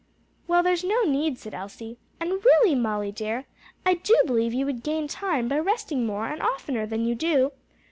"Well, there's no need," said Elsie, "and really, Molly dear, I do believe you would gain time by resting more and oftener than you do.